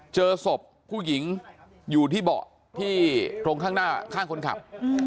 เจอศพผู้หญิงอยู่ที่เบาะที่ตรงข้างหน้าข้างคนขับ